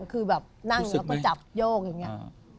คือแบบนั่งแล้วก็จับโยกอย่างนี้